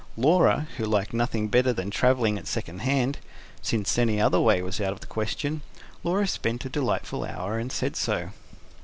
Laura, who liked nothing better than travelling at second hand since any other way was out of the question Laura spent a delightful hour, and said so.